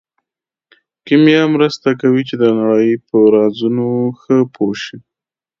کیمیا مرسته کوي چې د نړۍ په رازونو ښه پوه شو.